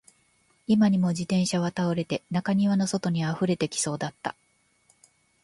今にも自転車は倒れて、中庭の外に溢れてきそうだった